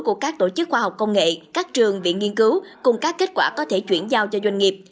của các tổ chức khoa học công nghệ các trường viện nghiên cứu cùng các kết quả có thể chuyển giao cho doanh nghiệp